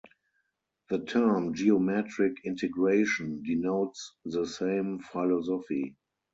The term "geometric integration" denotes the same philosophy.